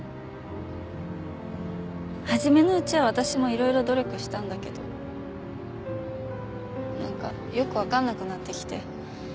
初めのうちは私もいろいろ努力したんだけど何かよくわかんなくなってきて。